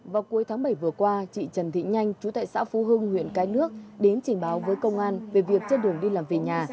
vào cuối tháng bảy vừa qua chị trần thị nhanh chú tại xã phú hưng huyện cái nước đến trình báo với công an về việc trên đường đi làm về nhà